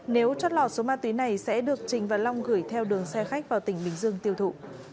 nếu chót lọt số ma túy này sẽ được trình và long gửi theo đường xe khách vào tỉnh bình dương tiêu thụ